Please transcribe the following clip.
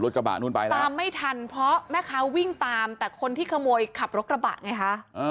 ตามไม่ทันเพราะแม่ขาวิ่งตามแต่คนที่ขโมยขับรถกระบะไงคะ